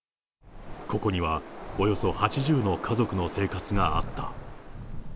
ここには、およそ８０の家族の生活があった。